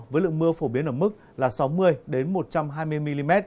với lượng mưa phổ biến ở mức là sáu mươi một trăm hai mươi mm